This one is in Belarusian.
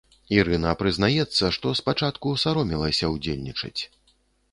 Ірына прызнаецца, што спачатку саромелася ўдзельнічаць.